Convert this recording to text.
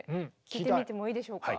聴いてみてもいいでしょうか。